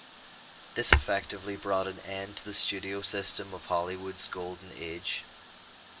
This effectively brought an end to the studio system of Hollywood's Golden Age.